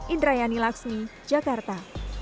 indrayani laksmi jakarta